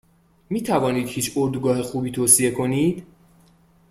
میتوانید هیچ اردوگاه خوبی توصیه کنید؟